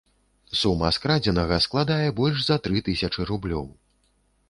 Сума скрадзенага складае больш за тры тысячы рублёў.